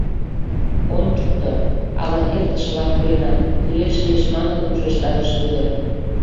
— Ончыкто, ала эртышыла пурена, — кӱлеш лиеш манын, ушештарыш Вӧдыр.